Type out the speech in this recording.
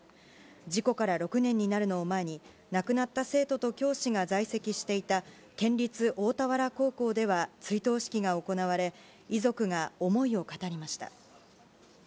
事故から６年になるのを前に、亡くなった生徒と教師が在籍していた県立大田原高校では追悼式が行われ、遺族が思いを語りました。